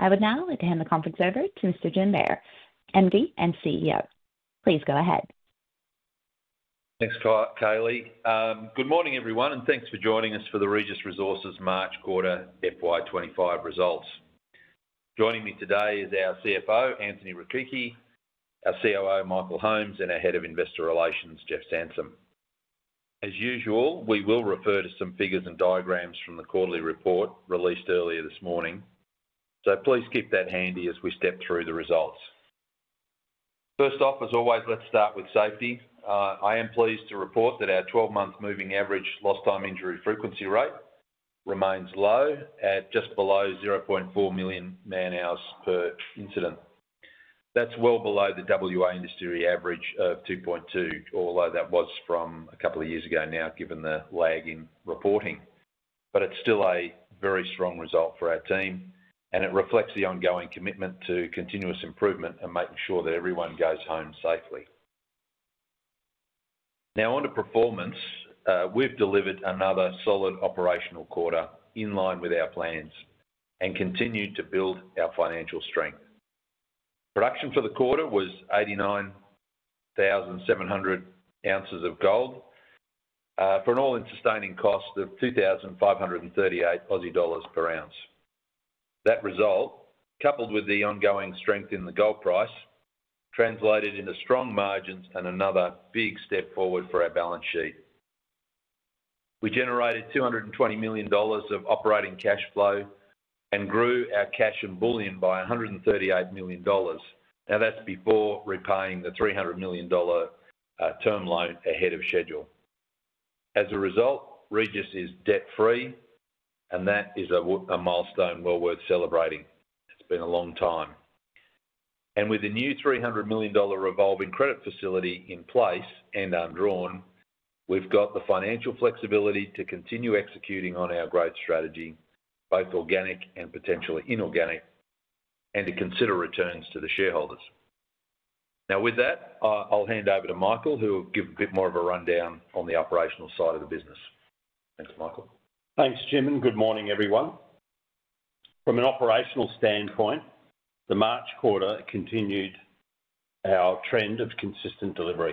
I would now like to hand the conference over to Mr. Jim Beyer, MD and CEO. Please go ahead. Thanks, Kaylee. Good morning, everyone, and thanks for joining us for the Regis Resources March Quarter FY25 Results. Joining me today is our CFO, Anthony Rechichi, our COO, Michael Holmes, and our Head of Investor Relations, Jeff Sansom. As usual, we will refer to some figures and diagrams from the quarterly report released earlier this morning, so please keep that handy as we step through the results. First off, as always, let's start with safety. I am pleased to report that our 12-month moving average Loss-Time Injury Frequency Rate remains low, at just below 0.4 million man-hours per incident. That's well below the WA industry average of 2.2, although that was from a couple of years ago now, given the lag in reporting. It is still a very strong result for our team, and it reflects the ongoing commitment to continuous improvement and making sure that everyone goes home safely. Now, on to performance. We've delivered another solid operational quarter in line with our plans and continued to build our financial strength. Production for the quarter was 89,700 ounces of gold for an all-in sustaining cost of 2,538 Aussie dollars per ounce. That result, coupled with the ongoing strength in the gold price, translated into strong margins and another big step forward for our balance sheet. We generated 220 million dollars of operating cash flow and grew our cash and bullion by 138 million dollars. Now, that's before repaying the 300 million dollar term loan ahead of schedule. As a result, Regis is debt-free, and that is a milestone well worth celebrating. It's been a long time. With the new 300 million dollar revolving credit facility in place, and undrawn, we've got the financial flexibility to continue executing on our growth strategy, both organic and potentially inorganic, and to consider returns to the shareholders. Now, with that, I'll hand over to Michael, who will give a bit more of a rundown on the operational side of the business. Thanks, Michael. Thanks, Jim. Good morning, everyone. From an operational standpoint, the March quarter continued our trend of consistent delivery.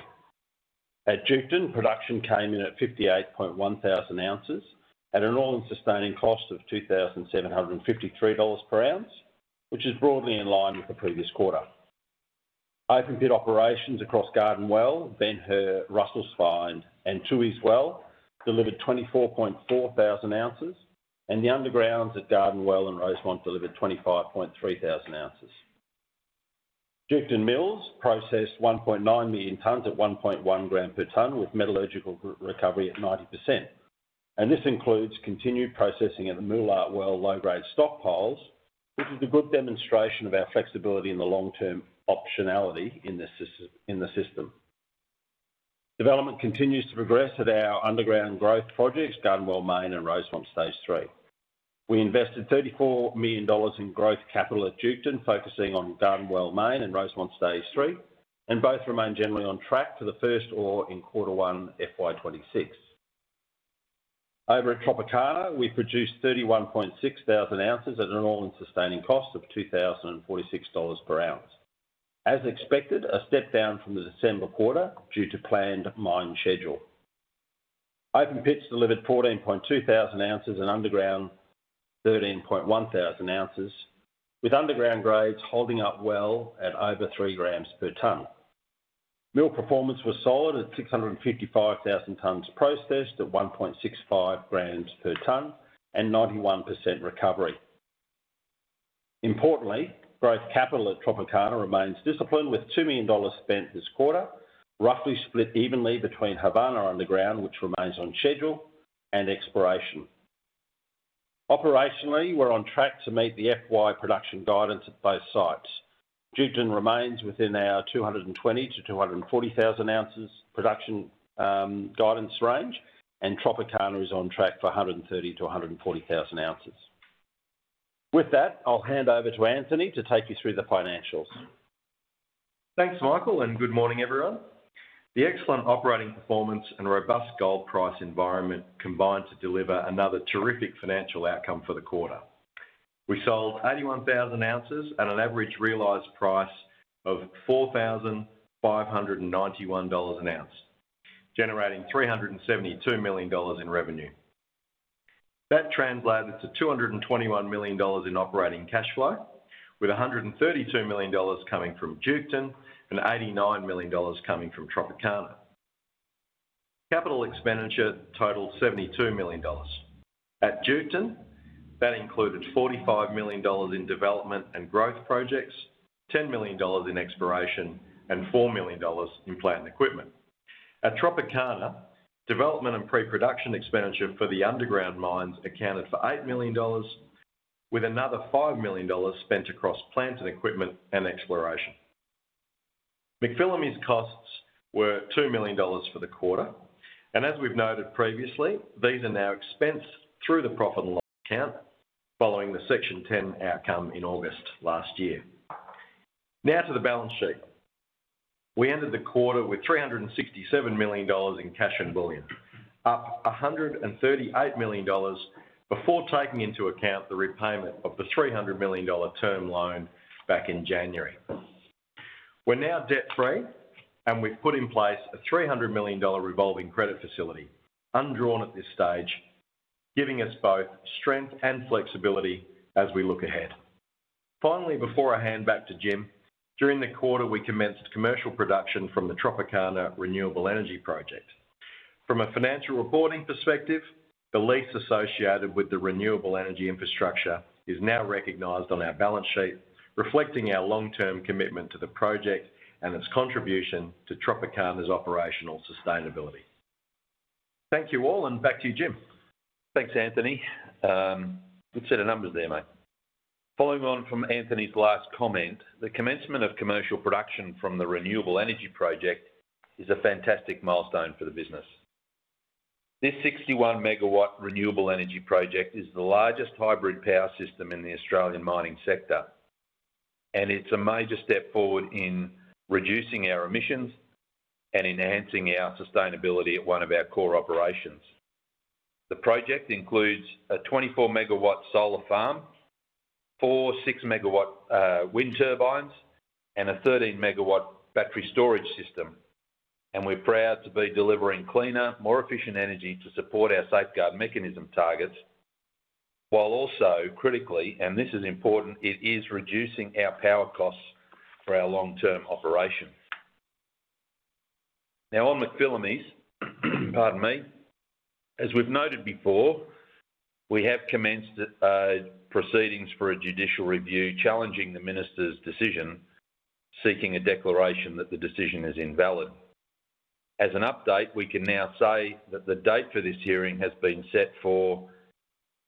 At Duketon, production came in at 58,100 ounces at an all-in sustaining cost of 2,753 dollars per ounce, which is broadly in line with the previous quarter. Open pit operations across Garden Well, Ben Hur, Russells Find, and Tooheys Well delivered 24,400 ounces, and the undergrounds at Garden Well and Rosemont delivered 25,300 ounces. Duketon Mills processed 1.9 million tons at 1.1 grams per ton with metallurgical recovery at 90%. This includes continued processing at the Moolart Well low-grade stockpiles, which is a good demonstration of our flexibility and the long-term optionality in the system. Development continues to progress at our underground growth projects, Garden Well Main and Rosemont Stage 3. We invested 34 million dollars in growth capital at Duketon, focusing on Garden Well Main and Rosemont Stage 3, and both remain generally on track for the first ore in Quarter One FY 2026. Over at Tropicana, we produced 31.6 thousand ounces at an all-in sustaining cost of 2,046 dollars per ounce. As expected, a step down from the December quarter due to planned mine schedule. Open pits delivered 14.2 thousand ounces and underground 13.1 thousand ounces, with underground grades holding up well at over 3 grams per ton. Mill performance was solid at 655,000 tons processed at 1.65 grams per ton and 91% recovery. Importantly, growth capital at Tropicana remains disciplined, with 2 million dollars spent this quarter, roughly split evenly between Havana underground, which remains on schedule and exploration. Operationally, we're on track to meet the FY production guidance at both sites. Duketon remains within our 220,000 to 240,000 ounces production guidance range, and Tropicana is on track for 130,000 to 140,000 ounces. With that, I'll hand over to Anthony to take you through the financials. Thanks, Michael, and good morning, everyone. The excellent operating performance and robust gold price environment combined to deliver another terrific financial outcome for the quarter. We sold 81,000 ounces at an average realized price of 4,591 dollars an ounce, generating 372 million dollars in revenue. That translated to 221 million dollars in operating cash flow, with 132 million dollars coming from Duketon and 89 million dollars coming from Tropicana. Capital expenditure totaled 72 million dollars. At Duketon, that included 45 million dollars in development and growth projects, 10 million dollars in exploration, and 4 million dollars in plant and equipment. At Tropicana, development and pre-production expenditure for the underground mines accounted for 8 million dollars, with another 5 million dollars spent across plant and equipment and exploration. McPhillamys costs were 2 million dollars for the quarter, and as we've noted previously, these are now expensed through the profit and loss account following the Section 10 outcome in August last year. Now to the balance sheet. We ended the quarter with 367 million dollars in cash and bullion, up 138 million dollars before taking into account the repayment of the 300 million dollar term loan back in January. We're now debt-free, and we've put in place a 300 million dollar revolving credit facility, undrawn at this stage, giving us both strength and flexibility as we look ahead. Finally, before I hand back to Jim, during the quarter, we commenced commercial production from the Tropicana Renewable Energy Project. From a financial reporting perspective, the lease associated with the renewable energy infrastructure is now recognized on our balance sheet, reflecting our long-term commitment to the project and its contribution to Tropicana's operational sustainability. Thank you all, and back to you, Jim. Thanks, Anthony. Good set of numbers there, mate. Following on from Anthony's last comment, the commencement of commercial production from the renewable energy project is a fantastic milestone for the business. This 61-megawatt renewable energy project is the largest hybrid power system in the Australian mining sector, and it's a major step forward in reducing our emissions and enhancing our sustainability at one of our core operations. The project includes a 24-megawatt solar farm, four 6-megawatt wind turbines, and a 13-megawatt battery storage system, and we're proud to be delivering cleaner, more efficient energy to support our Safeguard Mechanism targets, while also critically, and this is important, it is reducing our power costs for our long-term operation. Now, on McPhillamys, pardon me, as we've noted before, we have commenced proceedings for a judicial review challenging the minister's decision, seeking a declaration that the decision is invalid. As an update, we can now say that the date for this hearing has been set for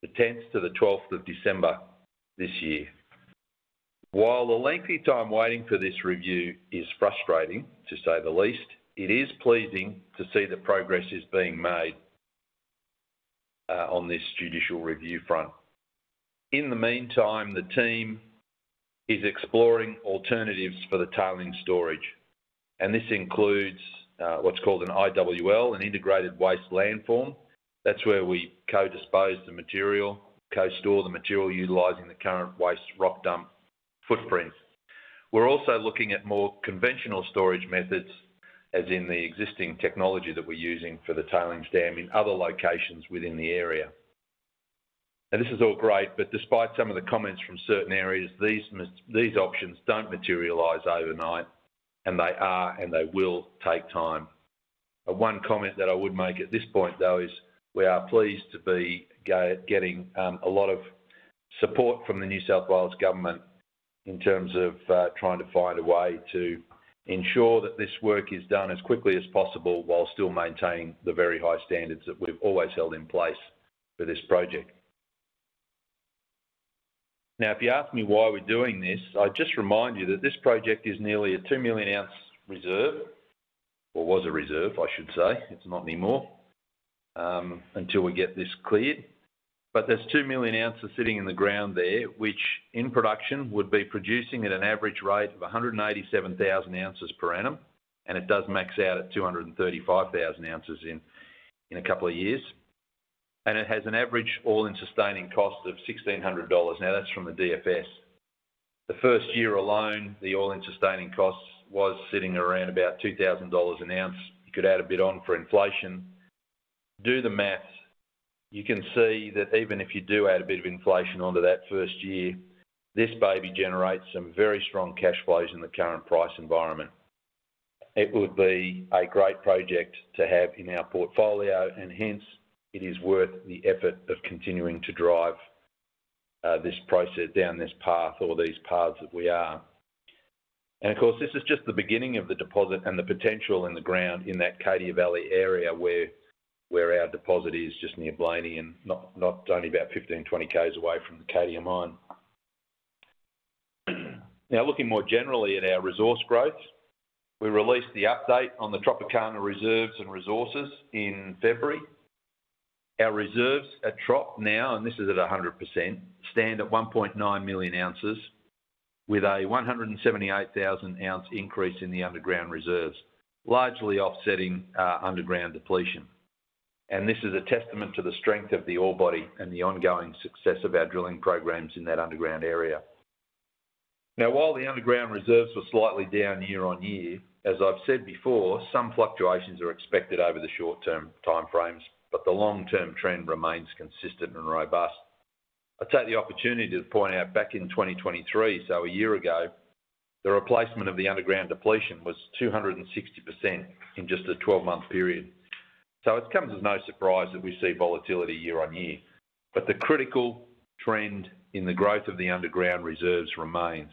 the 10th to the 12th of December this year. While the lengthy time waiting for this review is frustrating, to say the least, it is pleasing to see the progress is being made on this judicial review front. In the meantime, the team is exploring alternatives for the tailing storage, and this includes what's called an IWL, an Integrated Waste Landform. That's where we co-dispose the material, co-store the material utilizing the current waste rock dump footprint. We're also looking at more conventional storage methods, as in the existing technology that we're using for the tailings dam in other locations within the area. Now, this is all great, but despite some of the comments from certain areas, these options don't materialize overnight, and they are, and they will take time. One comment that I would make at this point, though, is we are pleased to be getting a lot of support from the New South Wales government in terms of trying to find a way to ensure that this work is done as quickly as possible while still maintaining the very high standards that we've always held in place for this project. Now, if you ask me why we're doing this, I just remind you that this project is nearly a 2 million ounce reserve, or was a reserve, I should say. It's not anymore until we get this cleared. There are 2 million ounces sitting in the ground there, which in production would be producing at an average rate of 187,000 ounces per annum, and it does max out at 235,000 ounces in a couple of years. It has an average all-in sustaining cost of 1,600 dollars. Now, that's from the DFS. The first year alone, the all-in sustaining cost was sitting around about 2,000 dollars an ounce. You could add a bit on for inflation. Do the math. You can see that even if you do add a bit of inflation onto that first year, this baby generates some very strong cash flows in the current price environment. It would be a great project to have in our portfolio, hence it is worth the effort of continuing to drive this process down this path or these paths that we are. Of course, this is just the beginning of the deposit and the potential in the ground in that Cadia Valley area where our deposit is just near Blayney and not only about 15 to 20 km away from the Cadia Mine. Now, looking more generally at our resource growth, we released the update on the Tropicana reserves and resources in February. Our reserves at Tropicana now, and this is at 100%, stand at 1.9 million ounces with a 178,000 ounce increase in the underground reserves, largely offsetting underground depletion. This is a testament to the strength of the ore body and the ongoing success of our drilling programs in that underground area. While the underground reserves were slightly down year on year, as I've said before, some fluctuations are expected over the short-term time frames, but the long-term trend remains consistent and robust. I take the opportunity to point out back in 2023, so a year ago, the replacement of the underground depletion was 260% in just a 12-month period. It comes as no surprise that we see volatility year on year. The critical trend in the growth of the underground reserves remains.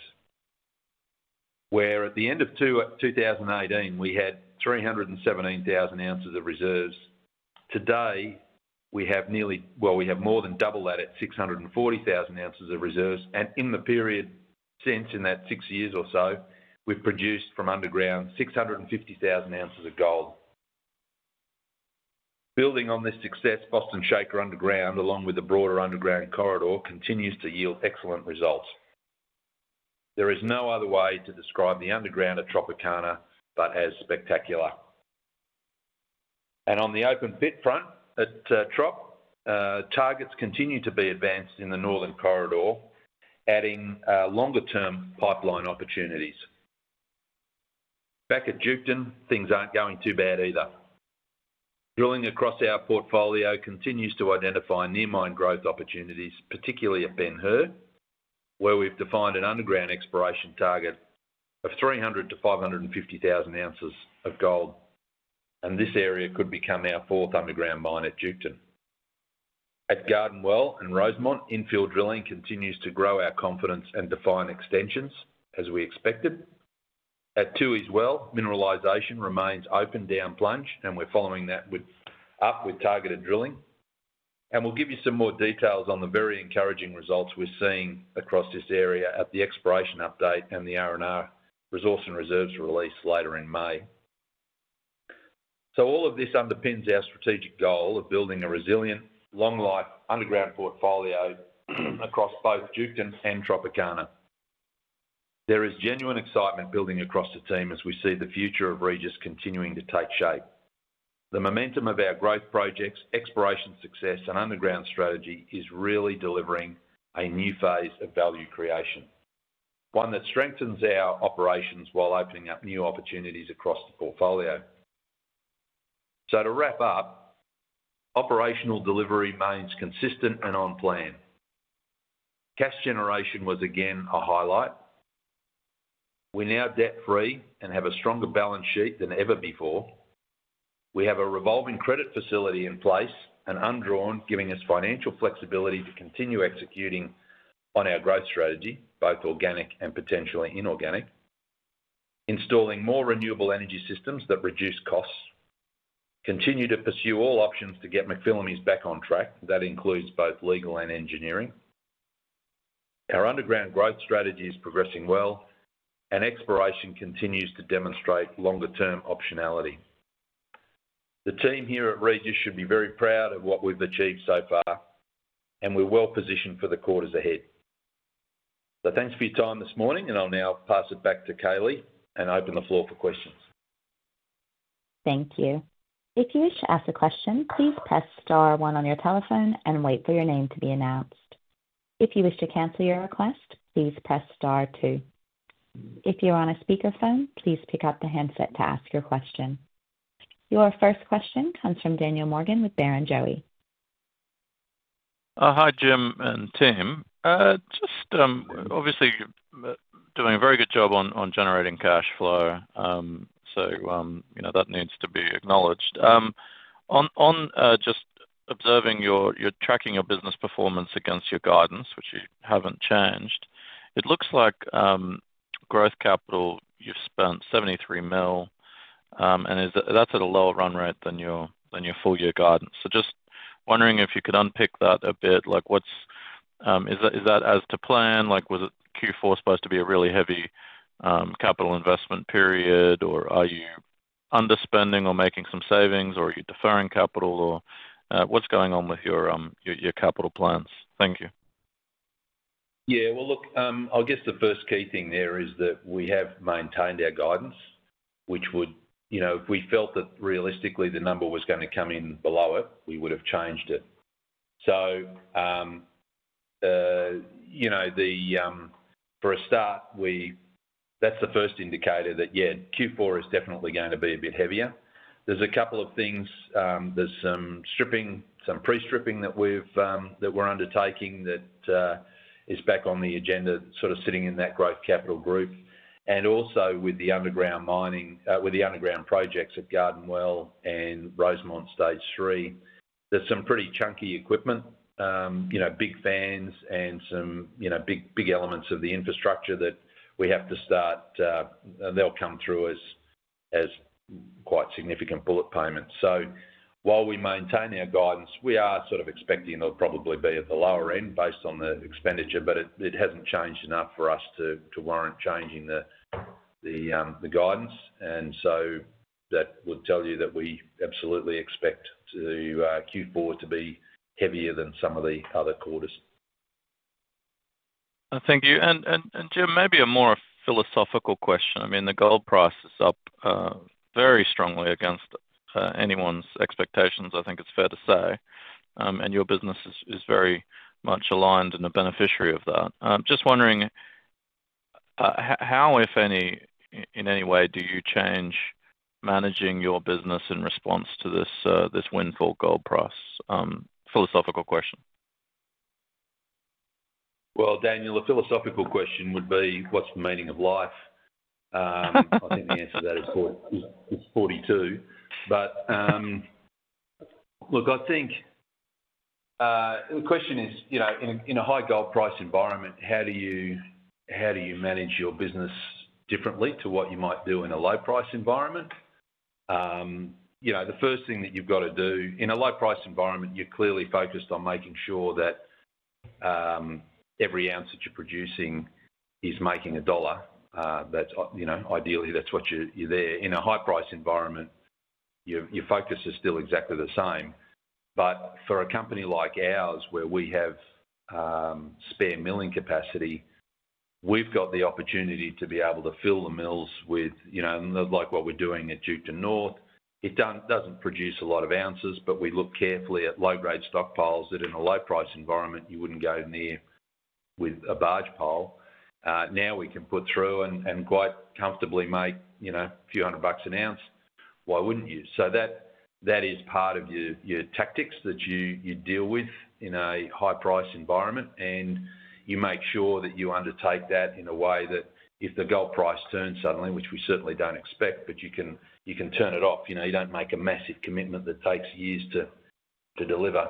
Where at the end of 2018, we had 317,000 ounces of reserves. Today, we have nearly, well, we have more than double that at 640,000 ounces of reserves. In the period since, in that six years or so, we've produced from underground 650,000 ounces of gold. Building on this success, Boston Shaker Underground, along with the broader underground corridor, continues to yield excellent results. There is no other way to describe the underground at Tropicana but as spectacular. On the open pit front at Tropicana, targets continue to be advanced in the northern corridor, adding longer-term pipeline opportunities. Back at Jupiten, things aren't going too bad either. Drilling across our portfolio continues to identify near-mine growth opportunities, particularly at Ben Hur, where we've defined an underground exploration target of 300,000 to 550,000 ounces of gold. This area could become our fourth underground mine at Jupiten. At Garden Well and Rosemont, infill drilling continues to grow our confidence and define extensions, as we expected. At Tooheys Well, mineralization remains open down plunge, and we're following that up with targeted drilling. We will give you some more details on the very encouraging results we're seeing across this area at the exploration update and the R&R resource and reserves release later in May. All of this underpins our strategic goal of building a resilient, long-life underground portfolio across both Jupiten and Tropicana. There is genuine excitement building across the team as we see the future of Regis continuing to take shape. The momentum of our growth projects, exploration success, and underground strategy is really delivering a new phase of value creation, one that strengthens our operations while opening up new opportunities across the portfolio. To wrap up, operational delivery remains consistent and on plan. Cash generation was again a highlight. We're now debt-free and have a stronger balance sheet than ever before. We have a revolving credit facility in place, undrawn, giving us financial flexibility to continue executing on our growth strategy, both organic and potentially inorganic, installing more renewable energy systems that reduce costs. Continue to pursue all options to get McPhillamys back on track. That includes both legal and engineering. Our underground growth strategy is progressing well, and exploration continues to demonstrate longer-term optionality. The team here at Regis should be very proud of what we've achieved so far, and we're well positioned for the quarters ahead. Thanks for your time this morning, and I'll now pass it back to Kaylee and open the floor for questions. Thank you. If you wish to ask a question, please press star one on your telephone and wait for your name to be announced. If you wish to cancel your request, please press star two. If you're on a speakerphone, please pick up the handset to ask your question. Your first question comes from Daniel Morgan with Barrenjoey. Hi, Jim and team. Just obviously doing a very good job on generating cash flow, so that needs to be acknowledged. On just observing your tracking your business performance against your guidance, which you haven't changed, it looks like growth capital you've spent 73 million, and that's at a lower run rate than your full year guidance. Just wondering if you could unpick that a bit. Is that as to plan? Was Q4 supposed to be a really heavy capital investment period, or are you underspending or making some savings, or are you deferring capital? What's going on with your capital plans? Thank you. Yeah. Look, I guess the first key thing there is that we have maintained our guidance, which would, if we felt that realistically the number was going to come in below it, we would have changed it. For a start, that's the first indicator that, yeah, Q4 is definitely going to be a bit heavier. There's a couple of things. There's some stripping, some pre-stripping that we're undertaking that is back on the agenda, sort of sitting in that growth capital group. Also, with the underground mining, with the underground projects at Garden Well and Rosemont stage 3, there's some pretty chunky equipment, big fans, and some big elements of the infrastructure that we have to start, and they'll come through as quite significant bullet payments. While we maintain our guidance, we are sort of expecting it'll probably be at the lower end based on the expenditure, but it hasn't changed enough for us to warrant changing the guidance. That would tell you that we absolutely expect Q4 to be heavier than some of the other quarters. Thank you. Jim, maybe a more philosophical question. I mean, the gold price is up very strongly against anyone's expectations, I think it's fair to say, and your business is very much aligned and a beneficiary of that. Just wondering, how, if any, in any way, do you change managing your business in response to this windfall gold price? Philosophical question. Daniel, the philosophical question would be, what's the meaning of life? I think the answer to that is 42. I think the question is, in a high gold price environment, how do you manage your business differently to what you might do in a low price environment? The first thing that you've got to do in a low price environment, you're clearly focused on making sure that every ounce that you're producing is making a dollar. Ideally, that's what you're there. In a high price environment, your focus is still exactly the same. For a company like ours, where we have spare milling capacity, we've got the opportunity to be able to fill the mills with, like what we're doing at Duketon North. It doesn't produce a lot of ounces, but we look carefully at low-grade stockpiles that in a low price environment, you wouldn't go near with a barge pile. Now we can put through and quite comfortably make a few hundred bucks an ounce. Why wouldn't you? That is part of your tactics that you deal with in a high price environment, and you make sure that you undertake that in a way that if the gold price turns suddenly, which we certainly don't expect, you can turn it off. You don't make a massive commitment that takes years to deliver.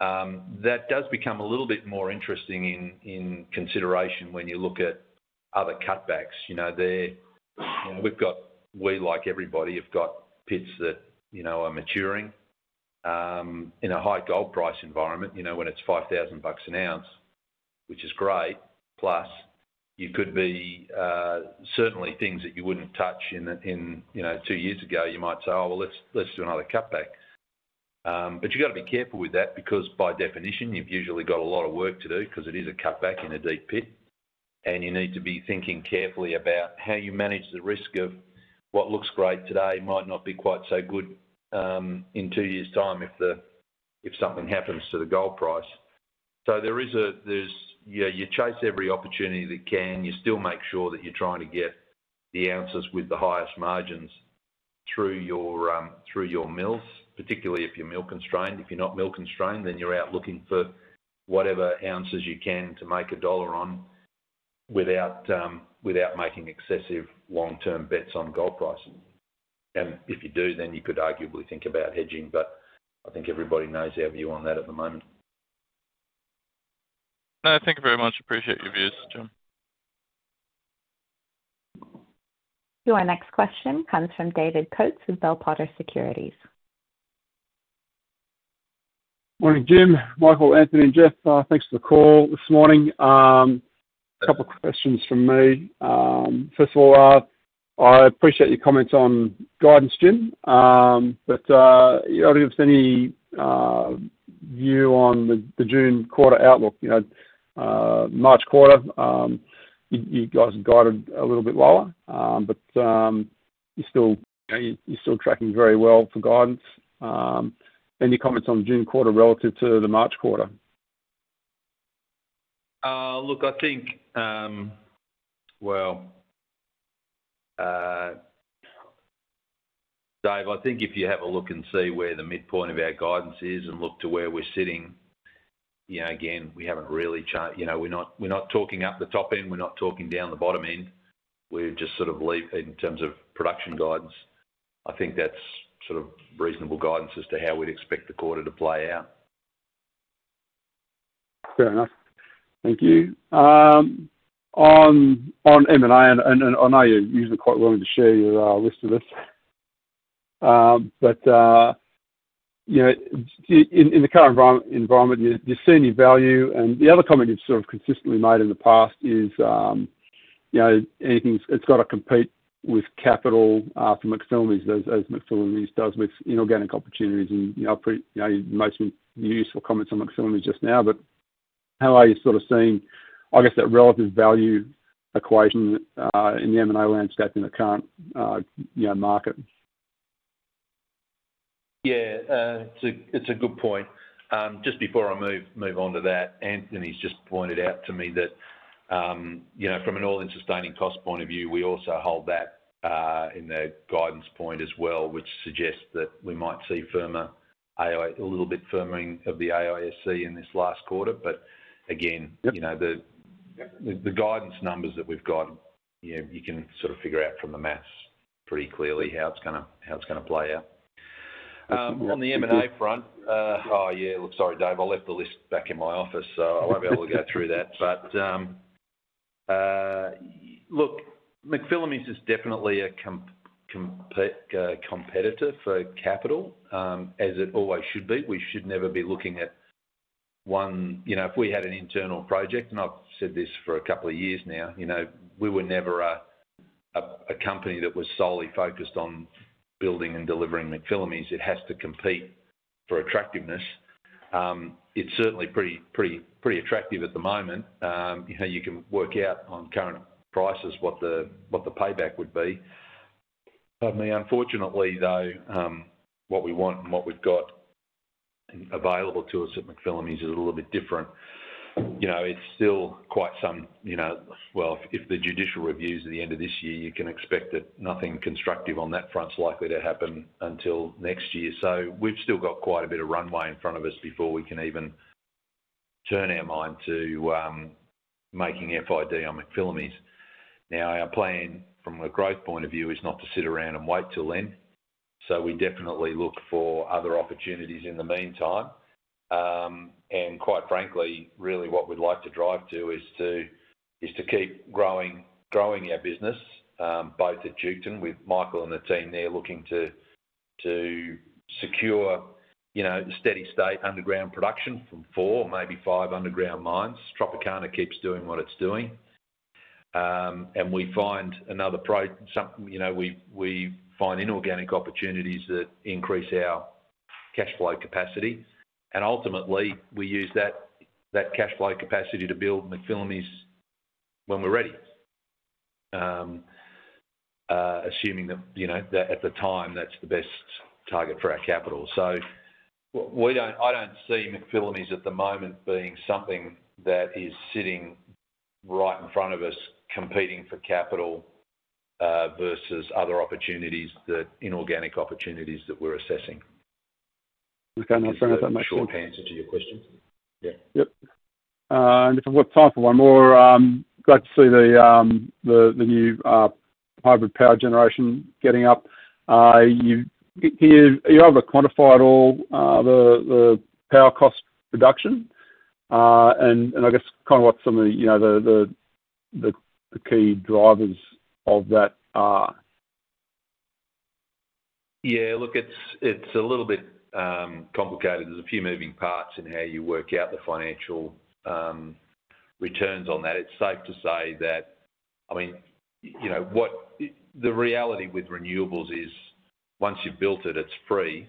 That does become a little bit more interesting in consideration when you look at other cutbacks. We've got, we like everybody, have got pits that are maturing in a high gold price environment when it's 5,000 bucks an ounce, which is great. Plus, you could be certainly things that you wouldn't touch two years ago. You might say, "Oh, well, let's do another cutback." You have to be careful with that because by definition, you've usually got a lot of work to do because it is a cutback in a deep pit. You need to be thinking carefully about how you manage the risk of what looks great today might not be quite so good in two years time if something happens to the gold price. There is a, yeah, you chase every opportunity that you can. You still make sure that you're trying to get the ounces with the highest margins through your mills, particularly if you're mill constrained. If you're not mill constrained, then you're out looking for whatever ounces you can to make a dollar on without making excessive long-term bets on gold prices. If you do, then you could arguably think about hedging, but I think everybody knows the avenue on that at the moment. Thank you very much. Appreciate your views, Jim. Your next question comes from David Coates with Bell Potter Securities. Morning, Jim. Michael, Anthony, and Jeff, thanks for the call this morning. A couple of questions from me. First of all, I appreciate your comments on guidance, Jim. Obviously, any view on the June quarter outlook? March quarter, you guys have guided a little bit lower, but you're still tracking very well for guidance. Any comments on June quarter relative to the March quarter? Look, I think, Dave, I think if you have a look and see where the midpoint of our guidance is and look to where we're sitting, again, we haven't really charted. We're not talking up the top end. We're not talking down the bottom end. We're just sort of leap in terms of production guidance. I think that's sort of reasonable guidance as to how we'd expect the quarter to play out. Fair enough. Thank you. On M&A, I know you're usually quite willing to share your list of this. In the current environment, you're seeing your value. The other comment you've sort of consistently made in the past is it's got to compete with capital from McPhillamys, as McPhillamys does with inorganic opportunities. I've pretty much made some useful comments on McPhillamys just now, but how are you sort of seeing, I guess, that relative value equation in the M&A landscape in the current market? Yeah. It's a good point. Just before I move on to that, Anthony's just pointed out to me that from an all-in sustaining cost point of view, we also hold that in the guidance point as well, which suggests that we might see a little bit firmering of the AISC in this last quarter. Again, the guidance numbers that we've got, you can sort of figure out from the maths pretty clearly how it's going to play out. On the M&A front, oh yeah, look, sorry, Dave, I left the list back in my office, so I won't be able to go through that. Look, McPhillamys is definitely a competitor for capital, as it always should be. We should never be looking at one if we had an internal project, and I've said this for a couple of years now, we were never a company that was solely focused on building and delivering McPhillamys. It has to compete for attractiveness. It's certainly pretty attractive at the moment. You can work out on current prices what the payback would be. Unfortunately, though, what we want and what we've got available to us at McPhillamys is a little bit different. It's still quite some way, if the judicial review's at the end of this year, you can expect that nothing constructive on that front's likely to happen until next year. We have still got quite a bit of runway in front of us before we can even turn our mind to making FID on McPhillamys. Our plan from a growth point of view is not to sit a round and wait till then. We definitely look for other opportunities in the meantime. Quite frankly, really what we'd like to drive to is to keep growing our business, both at Duketon with Michael and the team there looking to secure steady state underground production from four, maybe five underground mines. Tropicana keeps doing what it's doing. We find another, we find inorganic opportunities that increase our cash flow capacity. Ultimately, we use that cash flow capacity to build McPhillamys when we're ready, assuming that at the time that's the best target for our capital. I don't see McPhillamys at the moment being something that is sitting right in front of us competing for capital versus other opportunities, the inorganic opportunities that we're assessing. Okay. I'm sorry. I want to make sure. Short answer to your question. Yeah. Yep. If we've got time for one more, I'm glad to see the new hybrid power generation getting up. Are you able to quantify at all the power cost reduction? I guess kind of what some of the key drivers of that are? Yeah. Look, it's a little bit complicated. There's a few moving parts in how you work out the financial returns on that. It's safe to say that, I mean, the reality with renewables is once you've built it, it's free,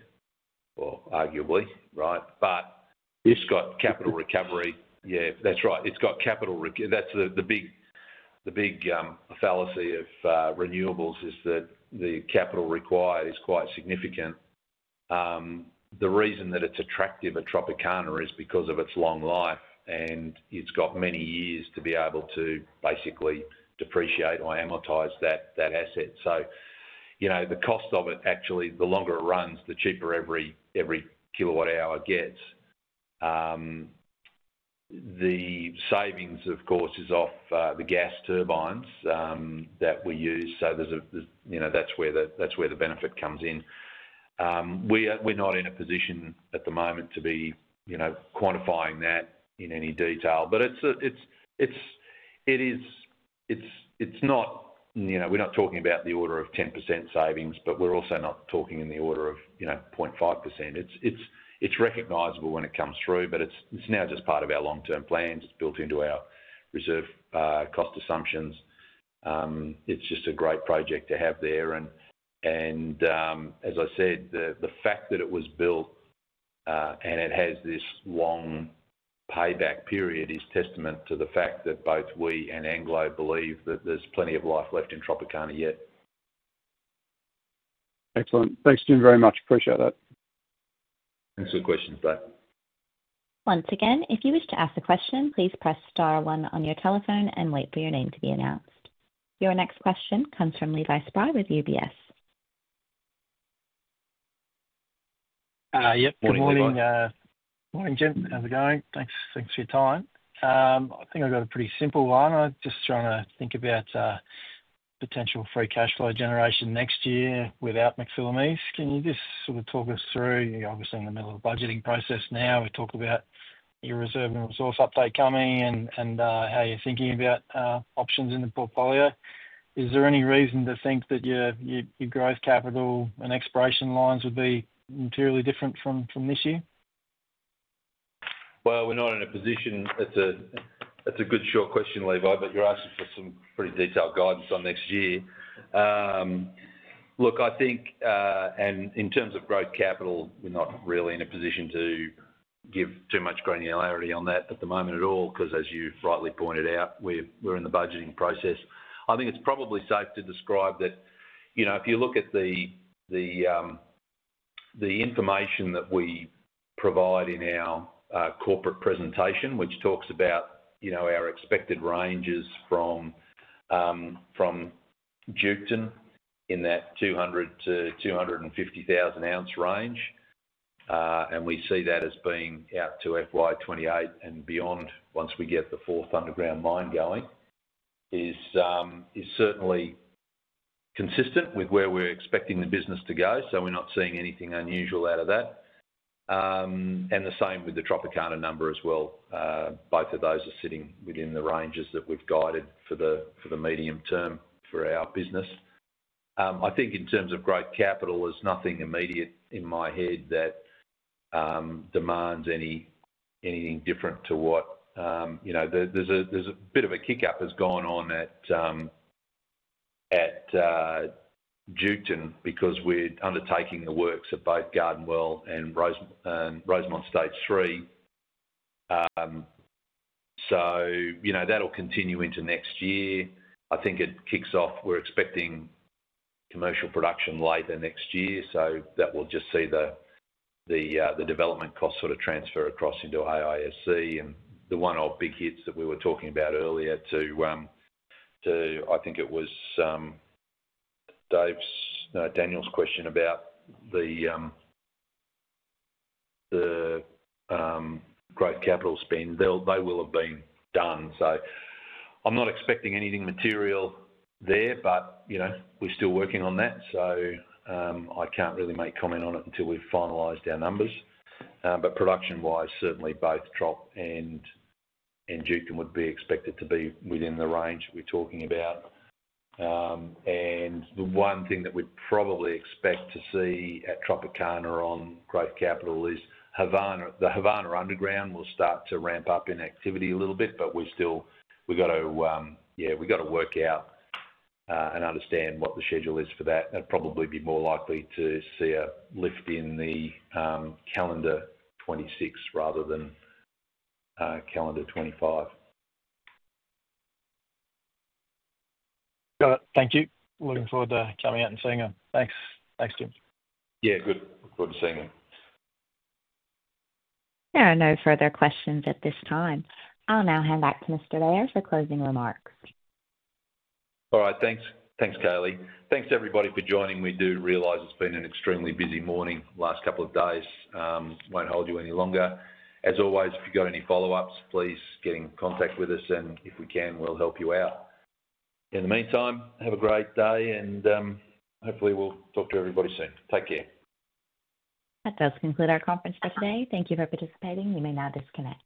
well, arguably, right? But it's got capital recovery. Yeah, that's right. It's got capital recovery. That's the big fallacy of renewables is that the capital required is quite significant. The reason that it's attractive at Tropicana is because of its long life, and it's got many years to be able to basically depreciate or amortize that asset. So the cost of it, actually, the longer it runs, the cheaper every kilowatt hour gets. The savings, of course, is off the gas turbines that we use. That's where the benefit comes in. We're not in a position at the moment to be quantifying that in any detail. We are not talking about the order of 10% savings, but we are also not talking in the order of 0.5%. It is recognizable when it comes through, but it is now just part of our long-term plans. It is built into our reserve cost assumptions. It is just a great project to have there. As I said, the fact that it was built and it has this long payback period is testament to the fact that both we and AngloGold Ashanti believe that there is plenty of life left in Tropicana yet. Excellent. Thanks, Jim, very much. Appreciate that. Thanks for your questions, Dave. Once again, if you wish to ask a question, please press star one on your telephone and wait for your name to be announced. Your next question comes from Levi Spry with UBS. Yep. Good morning. Morning, Jim. How's it going? Thanks for your time. I think I've got a pretty simple one. I'm just trying to think about potential free cash flow generation next year without McPhillamys. Can you just sort of talk us through? You're obviously in the middle of the budgeting process now. We talked about your reserve and resource update coming and how you're thinking about options in the portfolio. Is there any reason to think that your growth capital and exploration lines would be materially different from this year? We're not in a position. That's a good short question, Levi, but you're asking for some pretty detailed guidance on next year. Look, I think in terms of growth capital, we're not really in a position to give too much granularity on that at the moment at all because, as you've rightly pointed out, we're in the budgeting process. I think it's probably safe to describe that if you look at the information that we provide in our corporate presentation, which talks about our expected ranges from Jupiter in that 200,000 to 250,000 ounce range, and we see that as being out to FY2028 and beyond once we get the fourth underground mine going, is certainly consistent with where we're expecting the business to go. We're not seeing anything unusual out of that. The same with the Tropicana number as well. Both of those are sitting within the ranges that we've guided for the medium term for our business. I think in terms of growth capital, there's nothing immediate in my head that demands anything different to what there's a bit of a kickup has gone on at Duketon because we're undertaking the works at both Garden Well and Rosemont Stage 3. That'll continue into next year. I think it kicks off. We're expecting commercial production later next year. That will just see the development cost sort of transfer across into AISC and the one of the big hits that we were talking about earlier to, I think it was Dave's, Daniel's question about the growth capital spend. They will have been done. I'm not expecting anything material there, but we're still working on that. I can't really make a comment on it until we've finalized our numbers. Production-wise, certainly both Tropicana and Duketon would be expected to be within the range that we are talking about. The one thing that we would probably expect to see at Tropicana on growth capital is the Havana underground will start to ramp up in activity a little bit, but we have to, yeah, we have to work out and understand what the schedule is for that. I would probably be more likely to see a lift in the calendar 2026 rather than calendar 2025. Got it. Thank you. Looking forward to coming out and seeing them. Thanks, Jim. Yeah. Good. Looking forward to seeing them. There are no further questions at this time. I'll now hand back to Mr. Beyer for closing remarks. All right. Thanks. Thanks, Kaylee. Thanks, everybody, for joining. We do realize it's been an extremely busy morning the last couple of days. Won't hold you any longer. As always, if you've got any follow-ups, please get in contact with us, and if we can, we'll help you out. In the meantime, have a great day, and hopefully, we'll talk to everybody soon. Take care. That does conclude our conference for today. Thank you for participating. You may now disconnect.